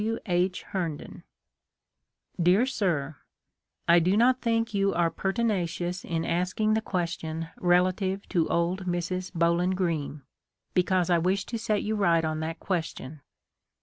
W. H. Herndon: "Dear Sir: I do not think you are pertina cious in asking the question relative to old Mrs. Bowlin Greene, because I wish to set you right on that question.